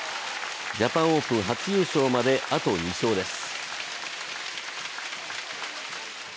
ジャパンオープン初優勝まであと２勝です。